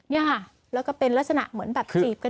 เนี่ยค่ะแล้วก็เป็นลักษณะเหมือนแบบจีบกัน